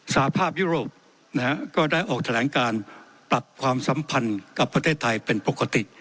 สาภาพยุโรปนะฮะก็ได้ออกแถลงการปรับความสัมพันธ์กับประเทศไทยเป็นปกติ